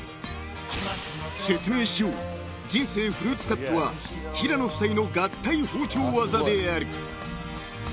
［説明しよう人生フルーツカットは平野夫妻の合体包丁技である］